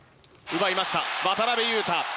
奪いました渡邊雄太。